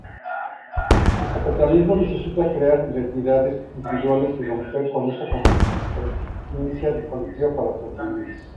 El capitalismo necesita crear identidades individuales y romper con esa consciencia colectiva para sobrevivir.